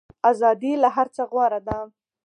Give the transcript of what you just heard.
ازادي له هر څه غوره ده.